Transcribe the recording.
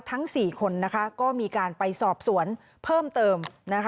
ทั้ง๔คนก็มีการไปสอบสวนเพิ่มเติม